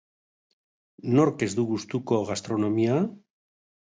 Nork ez du gustuko gastronomia?